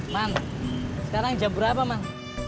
man sekarang jam berapa mang